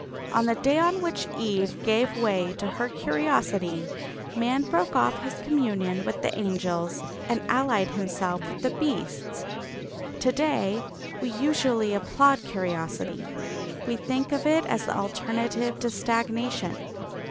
On the day on which Eve gave way to her curiosity, man broke off his communion with the angels and allied himself with the beasts. To day we usually applaud curiosity; we think of it as the alternative to stagnation.